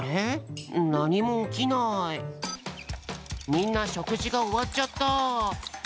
みんなしょくじがおわっちゃった。